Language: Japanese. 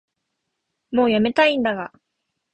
もうやめたいんだが